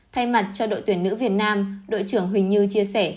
thay mặt cho đội tuyển nữ việt nam đội trưởng huỳnh như chia sẻ